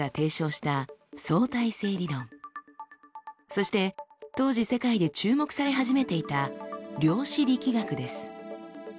そして当時世界で注目され始めていた「量子力学」です。